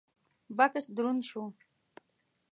بکس دروند شو: